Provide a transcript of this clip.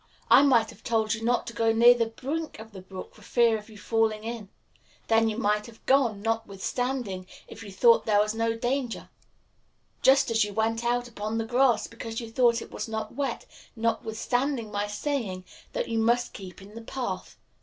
I might have told you not to go near the brink of the brook for fear of your falling in. Then you might have gone, notwithstanding, if you thought there was no danger, just as you went out upon the grass because you thought it was not wet, notwithstanding my saying that you must keep in the path.